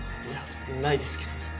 いやないですけど。